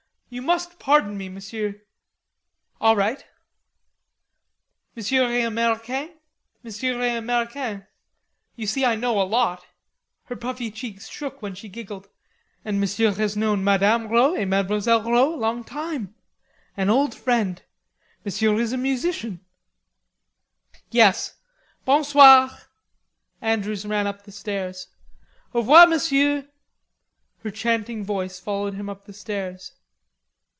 You must pardon me, Monsieur." "All right." "Monsieur est Americain? You see I know a lot." Her puffy cheeks shook when she giggled. "And Monsieur has known Mme. Rod et Mlle. Rod a long time. An old friend. Monsieur is a musician." "Yes. Bon soir." Andrews ran up the stairs. "Au revoir, Monsieur." Her chanting voice followed him up the stairs.